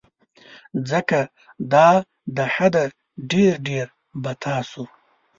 ځکه دا د حده ډیر ډیر به تاسو